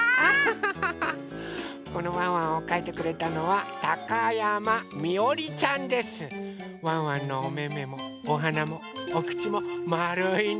このワンワンをかいてくれたのはワンワンのおめめもおはなもおくちもまるいね。